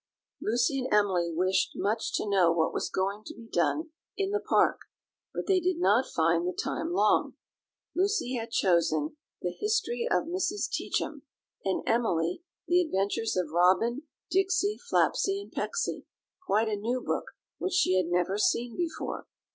Lucy and Emily wished much to know what was going to be done in the park, but they did not find the time long. Lucy had chosen the History of Mrs. Teachum, and Emily the Adventures of Robin, Dicksy, Flapsy, and Pecksy, quite a new book, which she had never seen before.